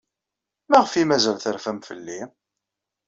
Maɣef ay mazal terfam fell-i?